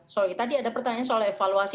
sorry tadi ada pertanyaan soal evaluasi